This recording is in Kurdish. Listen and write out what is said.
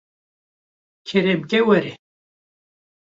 kerem ke were